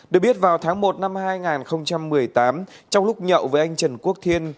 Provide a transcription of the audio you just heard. được biết vào tháng một năm hai nghìn một mươi tám trong lúc nhậu với anh trần quốc thiên